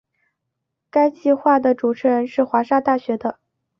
该计画的主持人是华沙大学的。